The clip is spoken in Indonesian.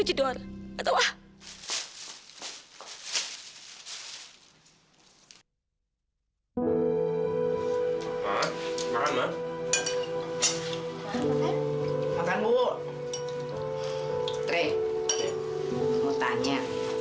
tere mau tanya